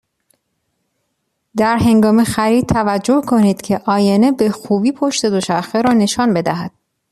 در هنگام خرید توجه کنید که آینه به خوبی پشت دوچرخه را نشان بدهد.